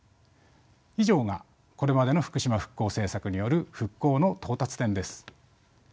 以上がこれまでの福島復興政策による復興の到達点です。